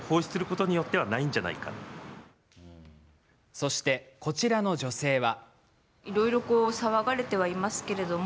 そして、こちらの女性は。